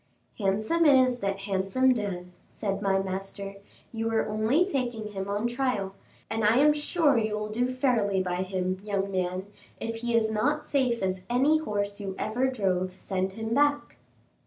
"'Handsome is that handsome does,'" said my master; "you are only taking him on trial, and I am sure you will do fairly by him, young man; if he is not safe as any horse you ever drove, send him back."